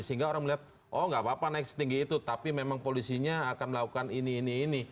sehingga orang melihat oh nggak apa apa naik setinggi itu tapi memang polisinya akan melakukan ini ini ini